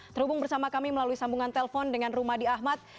terhubung bersama kami melalui sambungan telpon dengan rumadi ahmad